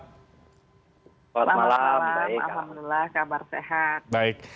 selamat malam alhamdulillah kabar sehat